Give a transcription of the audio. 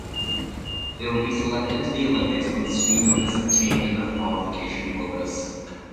They will be selected to the Olympics once Sweden has obtained enough qualification quotas.